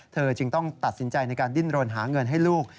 จึงต้องตัดสินใจในการดิ้นรนหาเงินให้ลูก